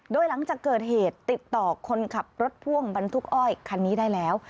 โดยหลังจากเกิดเหตุติดต่อคนขับรถพ่วงบรรทุกอ้อยคันนี้ได้แล้ว